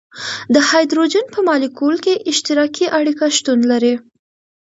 د هایدروجن په مالیکول کې اشتراکي اړیکه شتون لري.